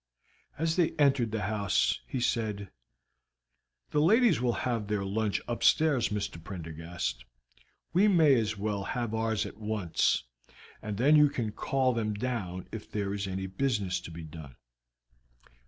As they entered the house he said, "The ladies will have their lunch upstairs, Mr. Prendergast; we may as well have ours at once, and then you can call them down if there is any business to be done."